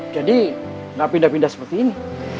jadi gak pindah pindah seperti ini